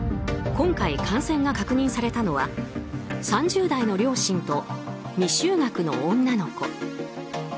今回、感染が確認されたのは３０代の両親と未就学の女の子。